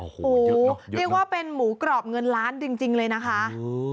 โอ้โหเรียกว่าเป็นหมูกรอบเงินล้านจริงเลยนะคะ